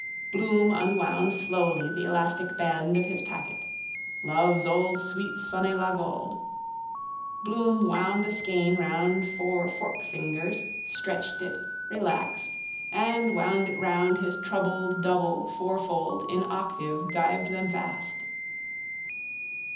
Bloom unwound slowly the elastic band of his packet. Love's old sweet sonnez la gold. Bloom wound a skein round four forkfingers, stretched it, relaxed, and wound it round his troubled double, fourfold, in octave, gyved them fast.